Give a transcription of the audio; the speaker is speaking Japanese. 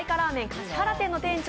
橿原店の店長